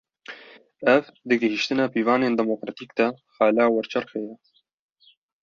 Ev, di gihîştina pîvanên demokratîk de, xala werçerxê ye